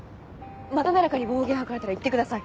また誰かに暴言吐かれたら言ってください。